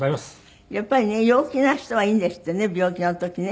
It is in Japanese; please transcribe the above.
やっぱりね陽気な人はいいんですってね病気の時ね。